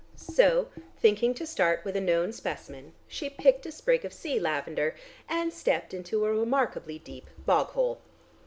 So thinking to start with a known specimen, she picked a sprig of sea lavender, and stepped into a remarkably deep bog hole.